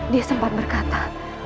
dia sempat berkata